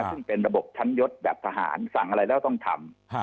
ซึ่งเป็นระบบชั้นยศแบบทหารสั่งอะไรแล้วต้องทำ